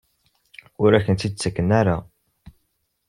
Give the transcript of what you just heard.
Ur akent-t-id-ttakent ara?